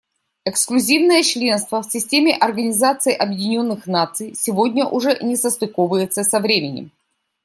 Эксклюзивное членство в системе Организации Объединенных Наций сегодня уже не состыковывается со временем.